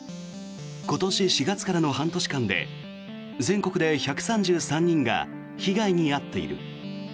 今年４月からの半年間で全国で１３３人が被害に遭っている。